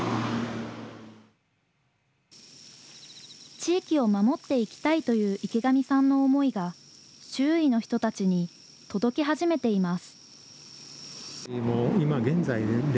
地域を守っていきたいという池上さんの思いが、周囲の人たちに届き始めています。